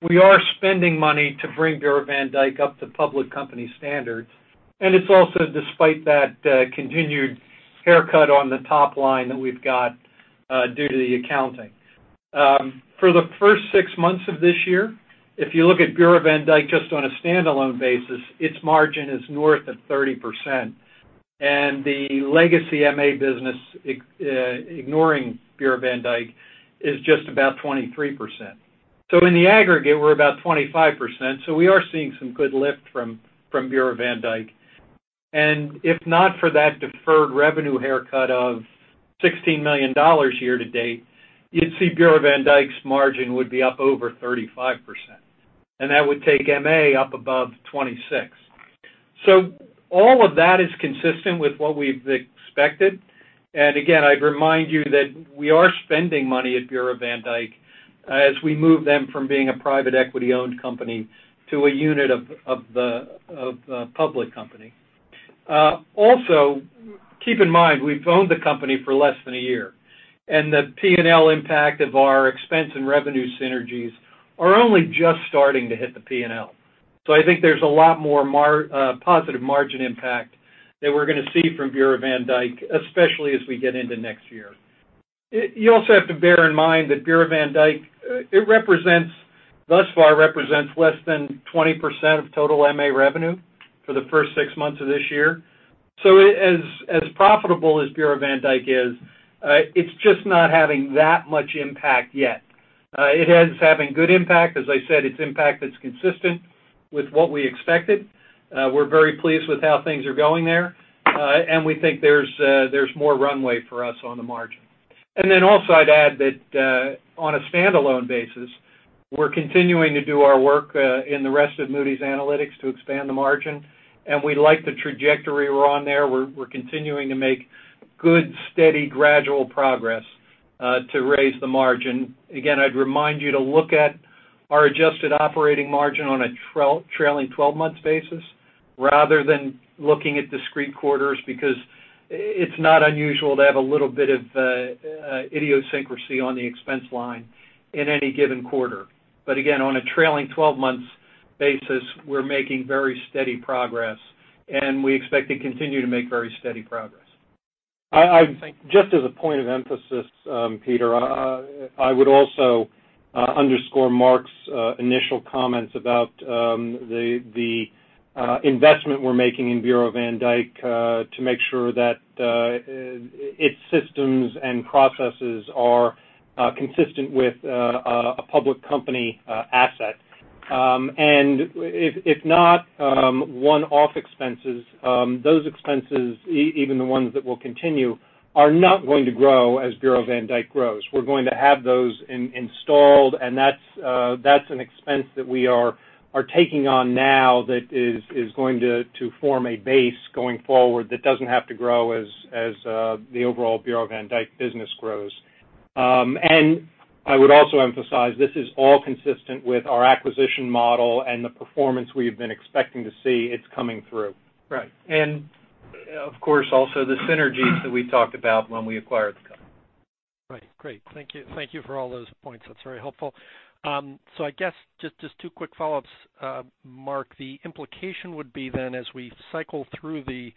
we are spending money to bring Bureau van Dijk up to public company standards. It's also despite that continued haircut on the top line that we've got due to the accounting. For the first six months of this year, if you look at Bureau van Dijk just on a standalone basis, its margin is north of 30%, and the legacy MA business, ignoring Bureau van Dijk, is just about 23%. In the aggregate, we're about 25%, we are seeing some good lift from Bureau van Dijk. If not for that deferred revenue haircut of $16 million year to date, you'd see Bureau van Dijk's margin would be up over 35%, and that would take MA up above 26%. All of that is consistent with what we've expected. Again, I'd remind you that we are spending money at Bureau van Dijk as we move them from being a private equity-owned company to a unit of a public company. Keep in mind, we've owned the company for less than a year, and the P&L impact of our expense and revenue synergies are only just starting to hit the P&L. I think there's a lot more positive margin impact that we're going to see from Bureau van Dijk, especially as we get into next year. You also have to bear in mind that Bureau van Dijk thus far represents less than 20% of total MA revenue for the first six months of this year. As profitable as Bureau van Dijk is, it's just not having that much impact yet. It is having good impact. As I said, its impact is consistent with what we expected. We're very pleased with how things are going there. We think there's more runway for us on the margin. Also I'd add that on a standalone basis, we're continuing to do our work in the rest of Moody's Analytics to expand the margin, and we like the trajectory we're on there. We're continuing to make good, steady, gradual progress to raise the margin. Again, I'd remind you to look at our adjusted operating margin on a trailing 12-month basis rather than looking at discrete quarters, because it's not unusual to have a little bit of idiosyncrasy on the expense line in any given quarter. Again, on a trailing 12-month basis, we're making very steady progress, and we expect to continue to make very steady progress. Just as a point of emphasis, Peter, I would also underscore Mark's initial comments about the investment we're making in Bureau van Dijk to make sure that its systems and processes are consistent with a public company asset. If not one-off expenses, those expenses, even the ones that will continue, are not going to grow as Bureau van Dijk grows. We're going to have those installed, and that's an expense that we are taking on now that is going to form a base going forward that doesn't have to grow as the overall Bureau van Dijk business grows. I would also emphasize, this is all consistent with our acquisition model and the performance we have been expecting to see. It's coming through. Right. Of course, also the synergies that we talked about when we acquired the company. Right. Great. Thank you for all those points. That's very helpful. I guess just two quick follow-ups, Mark. The implication would be then as we cycle through the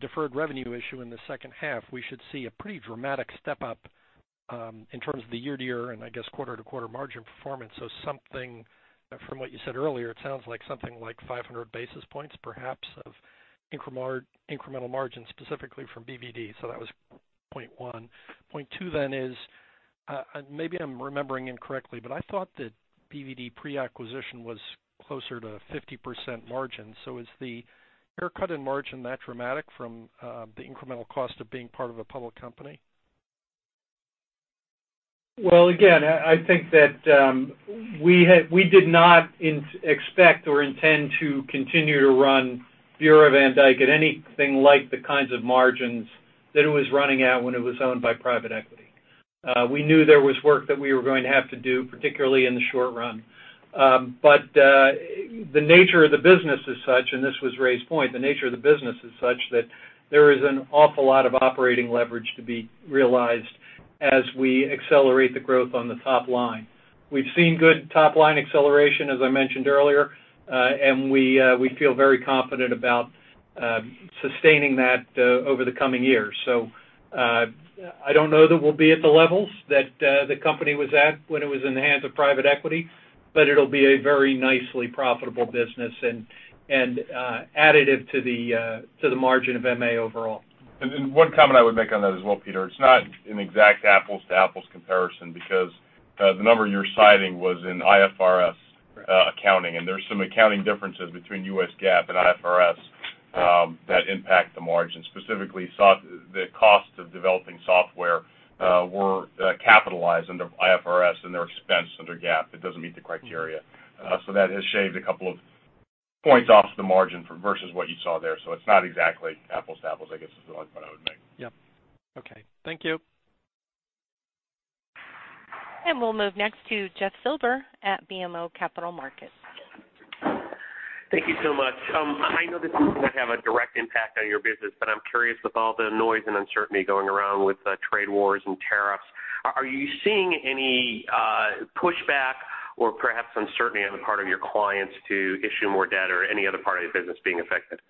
deferred revenue issue in the second half, we should see a pretty dramatic step-up in terms of the year-over-year and I guess quarter-over-quarter margin performance. Something from what you said earlier, it sounds like something like 500 basis points perhaps of incremental margin specifically from BVD. That was point one. Point two is, maybe I'm remembering incorrectly, but I thought that BVD pre-acquisition was closer to 50% margin. Is the haircut in margin that dramatic from the incremental cost of being part of a public company? Again, I think that we did not expect or intend to continue to run Bureau van Dijk at anything like the kinds of margins that it was running at when it was owned by private equity. We knew there was work that we were going to have to do, particularly in the short run. The nature of the business is such, and this was Ray's point, the nature of the business is such that there is an awful lot of operating leverage to be realized as we accelerate the growth on the top line. We've seen good top-line acceleration, as I mentioned earlier, and we feel very confident about sustaining that over the coming years. I don't know that we'll be at the levels that the company was at when it was in the hands of private equity, but it'll be a very nicely profitable business and additive to the margin of MA overall. One comment I would make on that as well, Peter, it's not an exact apples to apples comparison because the number you're citing was in IFRS accounting, and there's some accounting differences between US GAAP and IFRS that impact the margin. Specifically, the cost of developing software were capitalized under IFRS, and they're expensed under GAAP. It doesn't meet the criteria. That has shaved a couple of points off the margin versus what you saw there. It's not exactly apples to apples, I guess is what I would make. Yep. Okay. Thank you. We'll move next to Jeff Silber at BMO Capital Markets. Thank you so much. I know this may not have a direct impact on your business, but I'm curious with all the noise and uncertainty going around with trade wars and tariffs, are you seeing any pushback or perhaps uncertainty on the part of your clients to issue more debt or any other part of your business being affected?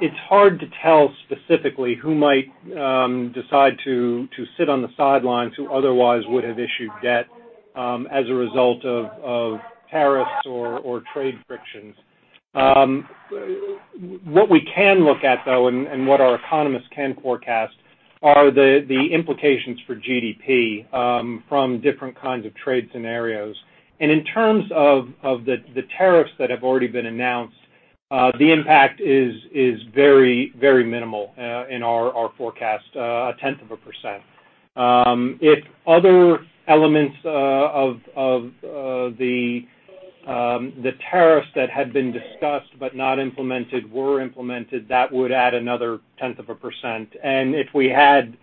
It's hard to tell specifically who might decide to sit on the sidelines who otherwise would have issued debt as a result of tariffs or trade frictions. What we can look at, though, and what our economists can forecast are the implications for GDP from different kinds of trade scenarios. In terms of the tariffs that have already been announced, the impact is very minimal in our forecast, a tenth of a %. If other elements of the tariffs that had been discussed but not implemented were implemented, that would add another tenth of a %. If we had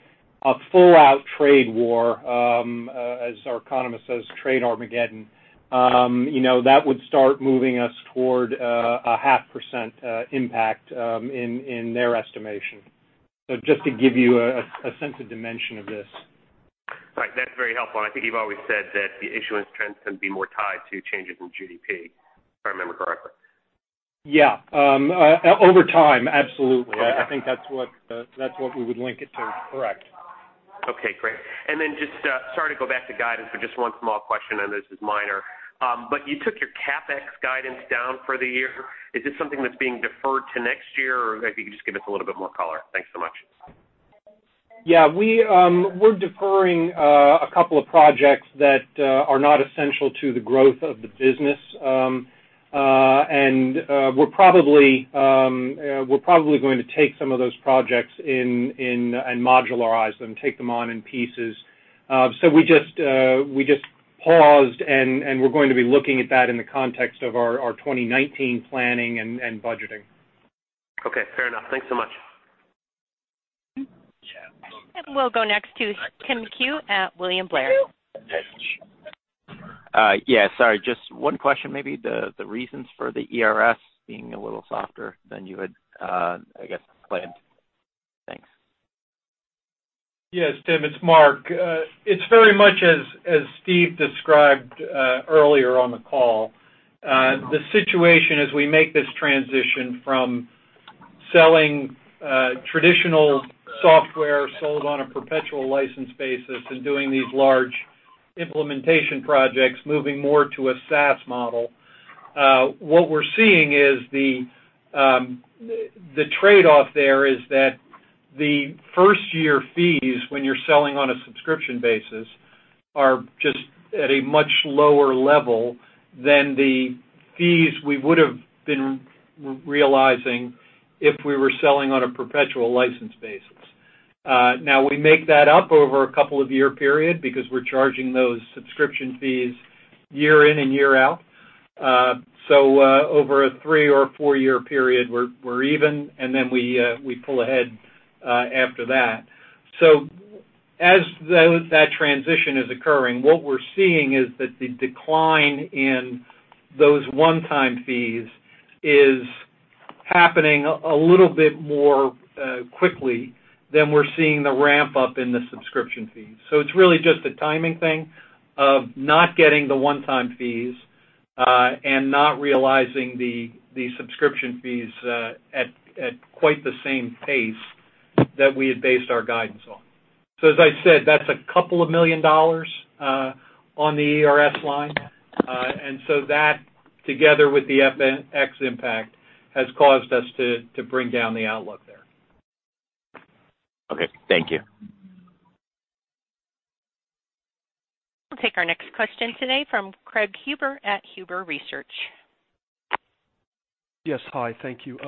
a full-out trade war, as our economist says, trade Armageddon that would start moving us toward a half % impact in their estimation. Just to give you a sense of dimension of this. Right. That's very helpful. I think you've always said that the issuance trends tend to be more tied to changes in GDP, if I remember correctly. Yeah. Over time, absolutely. I think that's what we would link it to. Correct. Okay, great. Just, sorry to go back to guidance for just one small question, and this is minor. You took your CapEx guidance down for the year. Is this something that's being deferred to next year? Or if you could just give us a little bit more color. Thanks so much. Yeah. We're deferring a couple of projects that are not essential to the growth of the business. We're probably going to take some of those projects in and modularize them, take them on in pieces. We just paused, and we're going to be looking at that in the context of our 2019 planning and budgeting. Okay, fair enough. Thanks so much. We'll go next to Timothy McHugh at William Blair. Yes. Sorry, just one question maybe. The reasons for the ERS being a little softer than you had, I guess, planned. Thanks. Yes, Tim, it's Mark. It's very much as Steve described earlier on the call. The situation as we make this transition from selling traditional software sold on a perpetual license basis and doing these large implementation projects, moving more to a SaaS model. What we're seeing is the trade-off there is that the first-year fees when you're selling on a subscription basis are just at a much lower level than the fees we would've been realizing if we were selling on a perpetual license basis. Now, we make that up over a couple of year period because we're charging those subscription fees year in and year out. Over a three- or four-year period, we're even, and then we pull ahead after that. As that transition is occurring, what we're seeing is that the decline in those one-time fees is happening a little bit more quickly than we're seeing the ramp-up in the subscription fees. It's really just a timing thing of not getting the one-time fees and not realizing the subscription fees at quite the same pace that we had based our guidance on. As I said, that's $2 million on the ERS line. That together with the FX impact, has caused us to bring down the outlook there. Okay. Thank you. We'll take our next question today from Craig Huber at Huber Research. Yes. Hi, thank you.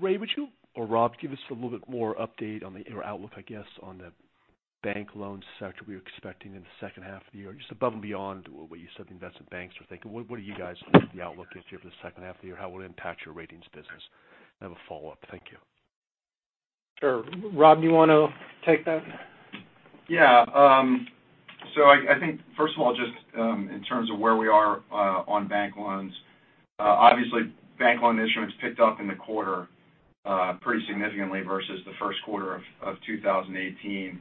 Ray, would you or Rob give us a little bit more update on the year outlook, I guess, on the bank loan sector, what you're expecting in the second half of the year, just above and beyond what you said the investment banks were thinking. The outlook that you have for the second half of the year? How will it impact your ratings business? I have a follow-up. Thank you. Rob, you want to take that? I think first of all, just in terms of where we are on bank loans. Obviously, bank loan issuance picked up in the quarter pretty significantly versus the first quarter of 2018.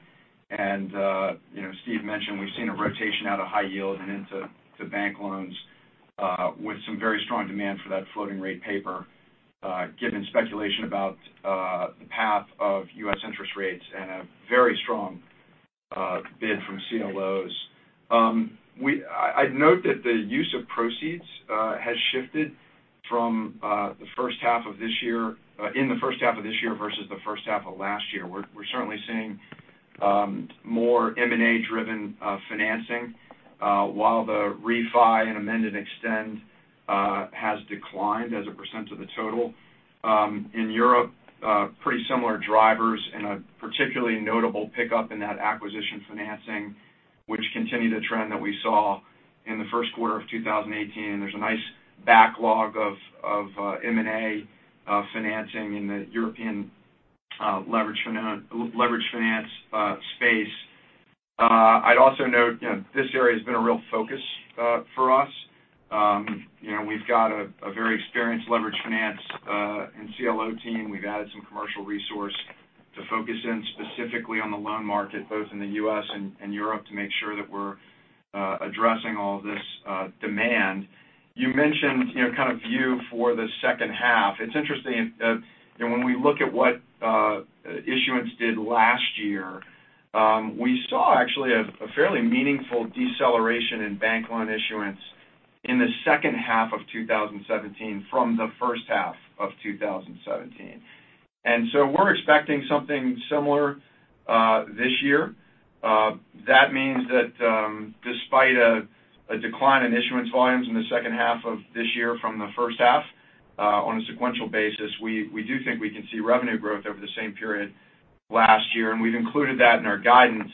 Steve mentioned we've seen a rotation out of high yield and into bank loans with some very strong demand for that floating rate paper given speculation about the path of U.S. interest rates and a very strong bid from CLOs. I'd note that the use of proceeds has shifted in the first half of this year versus the first half of last year. We're certainly seeing more M&A-driven financing while the refi and amended extend has declined as a % of the total. In Europe pretty similar drivers and a particularly notable pickup in that acquisition financing, which continued a trend that we saw in the first quarter of 2018. There's a nice backlog of M&A financing in the European leverage finance space. I'd also note this area has been a real focus for us. We've got a very experienced leverage finance and CLO team, we've added some commercial resource to focus in specifically on the loan market, both in the U.S. and Europe, to make sure that we're addressing all this demand. You mentioned kind of view for the second half. It's interesting, when we look at what issuance did last year, we saw actually a fairly meaningful deceleration in bank loan issuance in the second half of 2017 from the first half of 2017. We're expecting something similar this year. That means that despite a decline in issuance volumes in the second half of this year from the first half, on a sequential basis we do think we can see revenue growth over the same period last year, and we've included that in our guidance.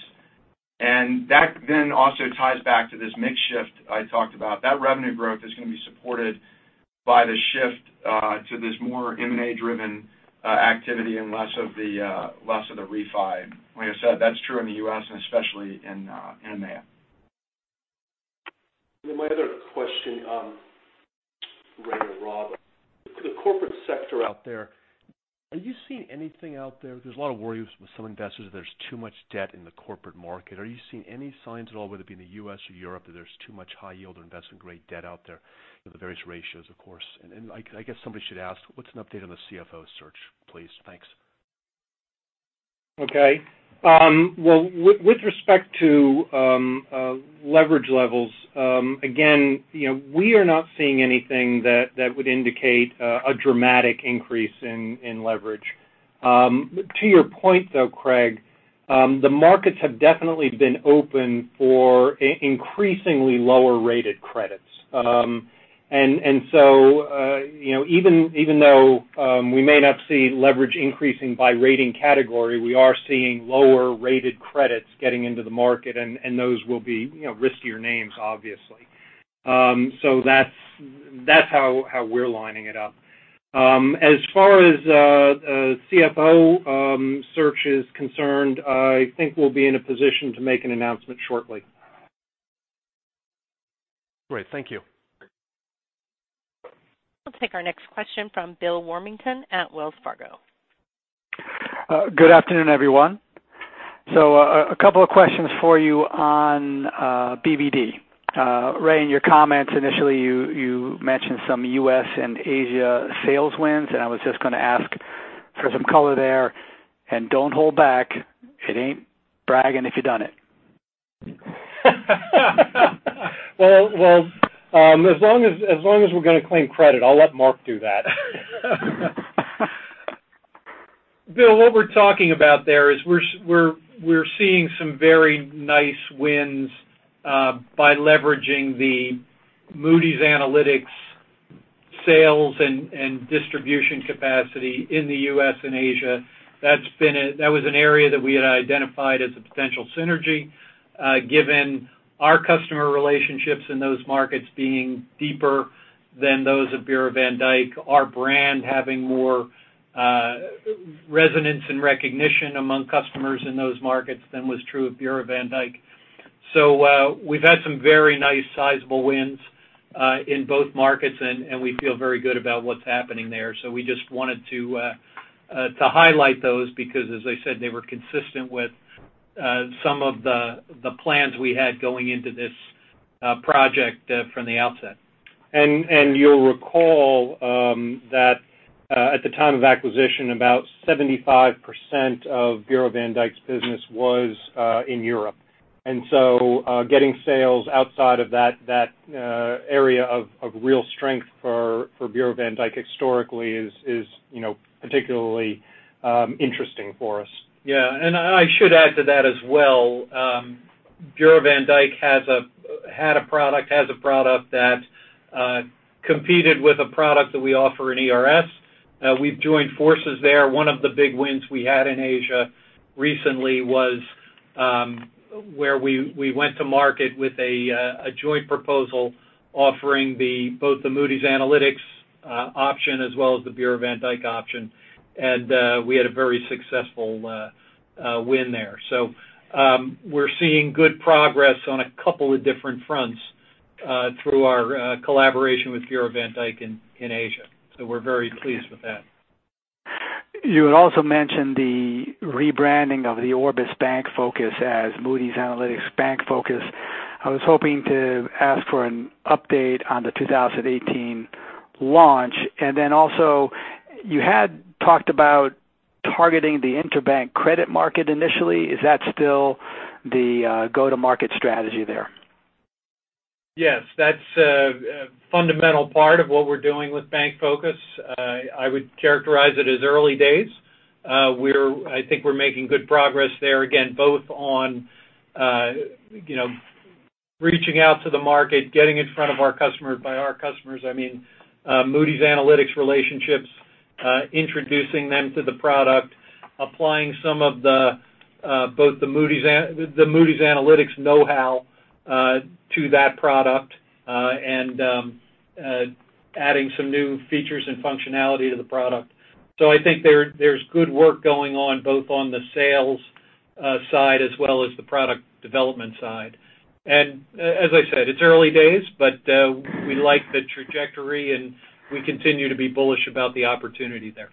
That then also ties back to this mix shift I talked about. That revenue growth is going to be supported by the shift to this more M&A-driven activity and less of the refi. Like I said, that's true in the U.S. and especially in AP. My other question, Ray or Rob, the corporate sector out there, are you seeing anything out there? There's a lot of worries with some investors that there's too much debt in the corporate market. Are you seeing any signs at all, whether it be in the U.S. or Europe, that there's too much high yield or investment-grade debt out there? In the various ratios, of course. I guess somebody should ask, what's an update on the CFO search, please? Thanks. Okay. With respect to leverage levels, again, we are not seeing anything that would indicate a dramatic increase in leverage. To your point, though, Craig, the markets have definitely been open for increasingly lower-rated credits. Even though we may not see leverage increasing by rating category, we are seeing lower-rated credits getting into the market, and those will be riskier names, obviously. That's how we're lining it up. As far as CFO search is concerned, I think we'll be in a position to make an announcement shortly. Great. Thank you. We'll take our next question from Bill Warmington at Wells Fargo. Good afternoon, everyone. A couple of questions for you on BVD. Ray, in your comments initially, you mentioned some U.S. and Asia sales wins, I was just going to ask for some color there. Don't hold back. It ain't bragging if you done it. Well, as long as we're going to claim credit, I'll let Mark do that. Bill, what we're talking about there is we're seeing some very nice wins by leveraging the Moody's Analytics sales and distribution capacity in the U.S. and Asia. That was an area that we had identified as a potential synergy, given our customer relationships in those markets being deeper than those of Bureau van Dijk, our brand having more resonance and recognition among customers in those markets than was true of Bureau van Dijk. We've had some very nice sizable wins in both markets, and we feel very good about what's happening there. We just wanted to highlight those because, as I said, they were consistent with some of the plans we had going into this project from the outset. You'll recall that at the time of acquisition, about 75% of Bureau van Dijk's business was in Europe. Getting sales outside of that area of real strength for Bureau van Dijk historically is particularly interesting for us. Yeah. I should add to that as well. Bureau van Dijk had a product, has a product that competed with a product that we offer in ERS. We've joined forces there. One of the big wins we had in Asia recently was where we went to market with a joint proposal offering both the Moody's Analytics option as well as the Bureau van Dijk option. We had a very successful win there. We're seeing good progress on a couple of different fronts through our collaboration with Bureau van Dijk in Asia. We're very pleased with that. You had also mentioned the rebranding of the Orbis BankFocus as Moody's Analytics BankFocus. I was hoping to ask for an update on the 2018 launch. Also, you had talked about targeting the interbank credit market initially. Is that still the go-to-market strategy there? Yes. That's a fundamental part of what we're doing with BankFocus. I would characterize it as early days. I think we're making good progress there, again, both on reaching out to the market, getting in front of our customers. By our customers, I mean Moody's Analytics relationships, introducing them to the product, applying some of both the Moody's Analytics know-how to that product, and adding some new features and functionality to the product. I think there's good work going on, both on the sales side as well as the product development side. As I said, it's early days, we like the trajectory, and we continue to be bullish about the opportunity there.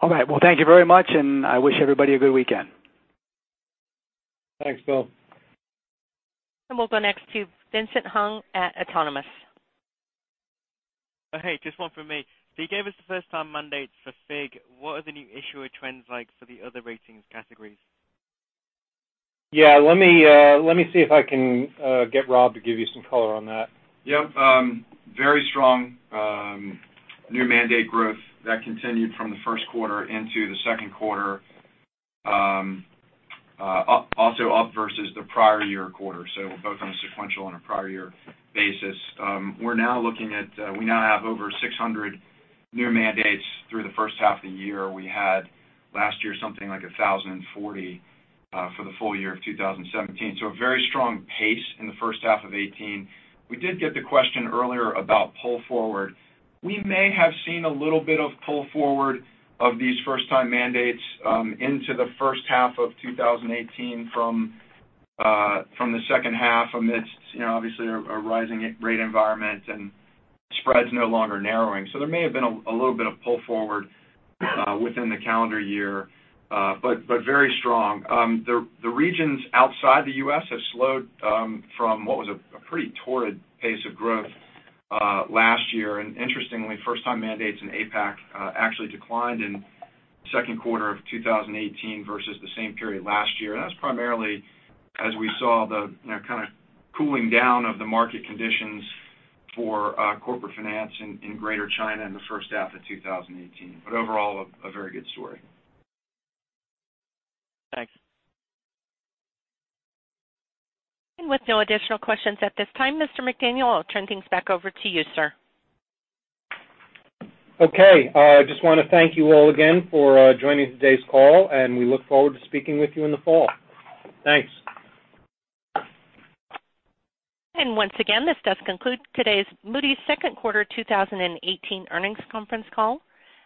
All right. Well, thank you very much, I wish everybody a good weekend. Thanks, Bill. We'll go next to Vincent Hung at Autonomous. Hey, just one from me. You gave us the first time mandates for FIG. What are the new issuer trends like for the other ratings categories? Yeah. Let me see if I can get Rob to give you some color on that. Yep. Very strong new mandate growth that continued from the first quarter into the second quarter. Also up versus the prior year quarter, both on a sequential and a prior year basis. We now have over 600 new mandates through the first half of the year. We had last year something like 1,040 for the full year of 2017. A very strong pace in the first half of 2018. We did get the question earlier about pull forward. We may have seen a little bit of pull forward of these first-time mandates into the first half of 2018 from the second half amidst obviously a rising rate environment and spreads no longer narrowing. There may have been a little bit of pull forward within the calendar year. Very strong. The regions outside the U.S. have slowed from what was a pretty torrid pace of growth last year. Interestingly, first-time mandates in APAC actually declined in second quarter of 2018 versus the same period last year. That's primarily as we saw the kind of cooling down of the market conditions for corporate finance in Greater China in the first half of 2018. Overall, a very good story. Thanks. With no additional questions at this time, Mr. McDaniel, I'll turn things back over to you, sir. Okay. I just want to thank you all again for joining today's call, and we look forward to speaking with you in the fall. Thanks. Once again, this does conclude today's Moody's second quarter 2018 earnings conference call.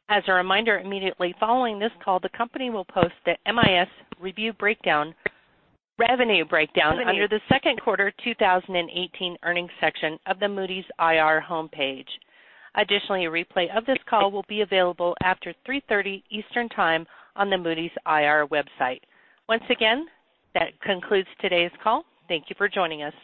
As a reminder, immediately following this call, the company will post the MIS-Reviewed revenue breakdown under the second quarter 2018 earnings section of the Moody's IR homepage. Additionally, a replay of this call will be available after 3:30 P.M. Eastern Time on the Moody's IR website. Once again, that concludes today's call. Thank you for joining us.